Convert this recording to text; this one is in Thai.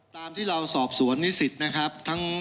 ตามที่เราสอบสวนนิสิตนะครับ